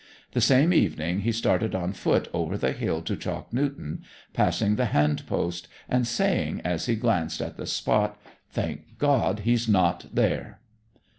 The same evening he started on foot over the hill to Chalk Newton, passing the hand post, and saying as he glanced at the spot, 'Thank God: he's not there!'